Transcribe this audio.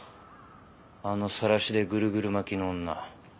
あのさらしでぐるぐる巻きの女。